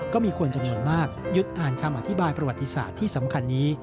ก็มีคนจำนวนมากหยุดอ่านคำอธิบายประวัติศาสตร์ที่สำคัญนี้